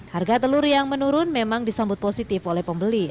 harga telur yang menurun memang disambut positif oleh pembeli